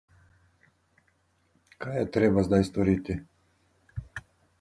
Kaj je treba zdaj storiti?